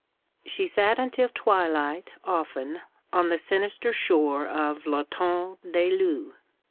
She sat until twilight, often, on the sinister shore of l'Etang des Loups.